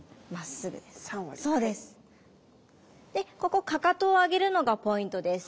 ここかかとを上げるのがポイントです。